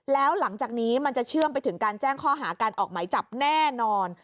แล้วหลังจากนี้มันจะเชื่อมไปถึงการแจ้งข้อหาการออกหมายจับแน่นอน